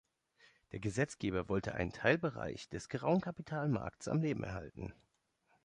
Der Gesetzgeber wollte einen Teilbereich des grauen Kapitalmarktes am Leben erhalten.